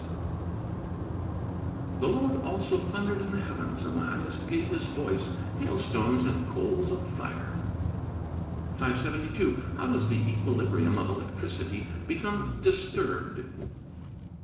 [Verse: "The Lord also thundered in the heavens, and the Highest gave his voice; hailstones and coals of fire."] 572. _How does the equilibrium of electricity become disturbed?